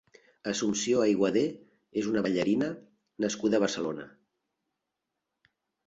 Assumpció Aguadé és una ballarina nascuda a Barcelona.